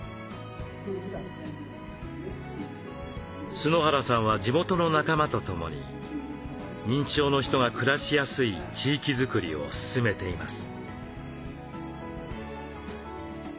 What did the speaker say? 春原さんは地元の仲間とともに認知症の人が暮らしやすい地域づくりを進めています。